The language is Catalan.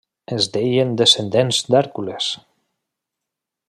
Es deien descendents d'Hèrcules.